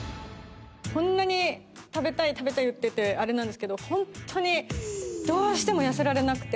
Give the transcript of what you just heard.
こんなに食べたい食べたい言っててあれなんですけどどうしても痩せられなくて。